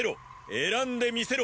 選んでみせろ！